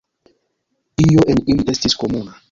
Io en ili estis komuna.